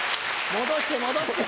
戻して戻して！